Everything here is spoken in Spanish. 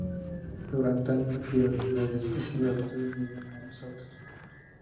Durante años, la propiedad del castillo ha pasado de unas manos a otras.